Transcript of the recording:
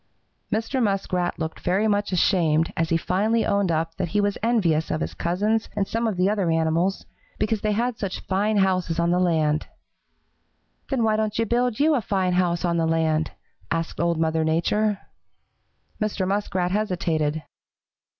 "Mr. Muskrat looked very much ashamed as he finally owned up that he was envious of his cousins and some of the other animals, because they had such fine houses on the land. "'Then why don't you build you a fine house on the land?' asked Old Mother Nature. "Mr. Muskrat hesitated.